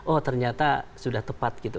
oh ternyata sudah tepat gitu